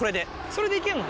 それで行けんの？